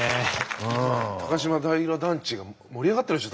高島平団地が盛り上がってるでしょ